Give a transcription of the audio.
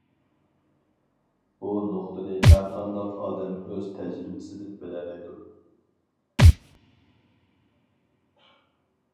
بۇ نۇقتىنى ھەرقانداق ئادەم ئۆز تەجرىبىسىدىن بىلەلەيدۇ.